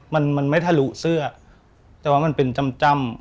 มันไม่ทะลุเสื้อแต่ว่ามันเป็นจำ